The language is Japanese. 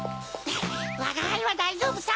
わがはいはだいじょうぶさ。